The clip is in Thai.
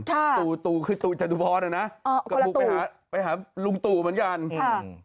ค่ะคือจันทุบอสน่ะนะกระบุกไปหาลุงตูเหมือนกันอืมค่ะ